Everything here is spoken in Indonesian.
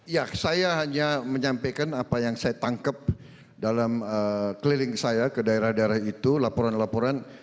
ya saya hanya menyampaikan apa yang saya tangkap dalam keliling saya ke daerah daerah itu laporan laporan